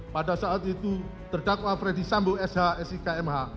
pada saat itu terdakwa freddy sambu sh sik mh